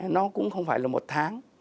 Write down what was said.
nó cũng không phải là một tháng